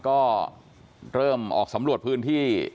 ก็เริ่มออกสำรวจพื้นที่